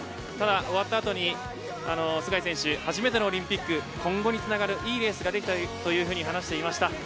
ただ、終わったあとに須貝選手、初めてのオリンピック今後につながるいいレースができたというふうに話していました。